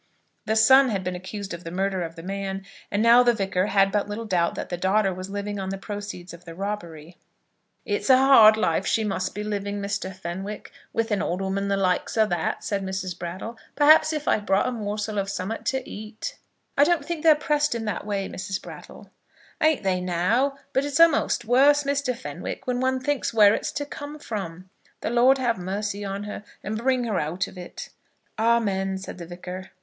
The son had been accused of the murder of the man, and now the Vicar had but little doubt that the daughter was living on the proceeds of the robbery. "It's a hard life she must be living, Mr. Fenwick, with an old 'ooman the likes of that," said Mrs. Brattle. "Perhaps if I'd brought a morsel of some'at to eat " "I don't think they're pressed in that way, Mrs. Brattle." "Ain't they now? But it's a'most worse, Mr. Fenwick, when one thinks where it's to come from. The Lord have mercy on her, and bring her out of it!" "Amen," said the Vicar.